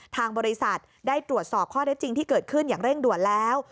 ทางบริษัทได้ตรวจสอบข้อได้จริงที่เกิดขึ้นอย่างเร่งด่วนแล้ว